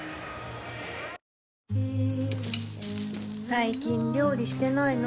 最近料理してないの？